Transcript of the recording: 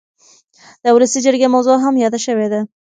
د ولسي جرګې موضوع هم یاده شوې ده.